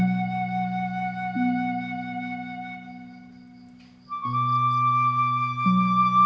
neng mah kayak gini